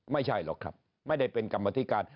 ไม่ใช่หรอกครับไม่ได้เป็นกรรมธิการ